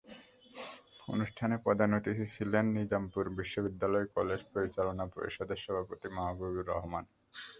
অনুষ্ঠানে প্রধান অতিথি ছিলেন নিজামপুর বিশ্ববিদ্যালয় কলেজ পরিচালনা পরিষদের সভাপতি মাহবুব রহমান।